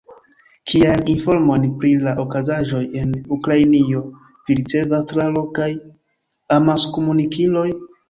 Kiajn informojn pri la okazaĵoj en Ukrainio vi ricevas tra lokaj amaskomunikiloj?